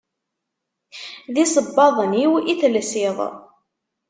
D isebbaḍen-iw i telsiḍ.